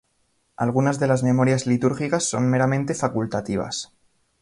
Algunas de las memorias litúrgicas son meramente facultativas.